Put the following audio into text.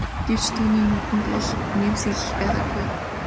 Гэвч түүний нүдэнд бол инээмсэглэл байгаагүй.